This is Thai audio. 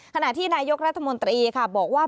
ขณะที่นายกรัฐมนตรีค่ะบอกว่า